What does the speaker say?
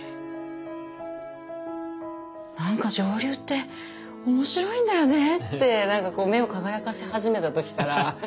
「なんか蒸留って面白いんだよね」って目を輝かせ始めた時から。